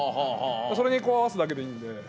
それにこう合わすだけでいいんで。